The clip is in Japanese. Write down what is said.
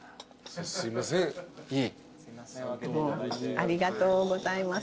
ありがとうございます